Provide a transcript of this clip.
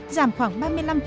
giảm khoảng ba mươi năm ba m